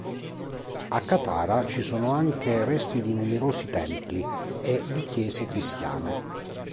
A Katara ci sono anche resti di numerosi templi, e di chiese cristiane.